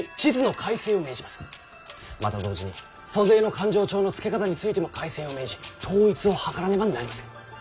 また同時に租税の勘定帳のつけ方についても改正を命じ統一を図らねばなりません。